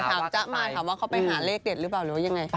กะหามจ๊ะมายขออภัยเขาไปหาเลขเด็ดหรือเปล่าหรือยังไง